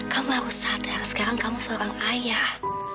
kamu harus sadar sekarang kamu seorang ayah